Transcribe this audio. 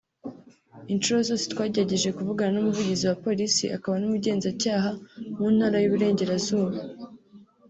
inshuro zose twagerageje kuvugana n’Umuvugizi wa Polisi akaba n’Umugenzacyaha mu Ntara y’Uburengerazuba